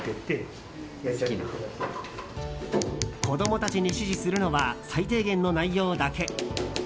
子供たちに指示するのは最低限の内容だけ。